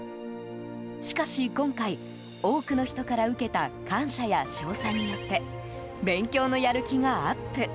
しかし今回、多くの人から受けた感謝や賞賛によって勉強のやる気がアップ。